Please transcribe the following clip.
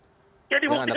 ya dibuktikan saja